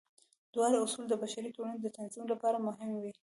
دواړه اصول د بشري ټولنې د تنظیم لپاره مهم وو.